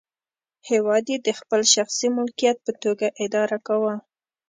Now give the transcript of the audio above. هېواد یې د خپل شخصي ملکیت په توګه اداره کاوه.